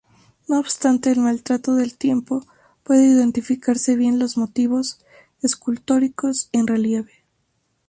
No obstante el maltrato del tiempo, pueden identificarse bien los motivos escultóricos en relieve.